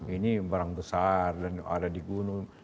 ini barang besar dan ada di gunung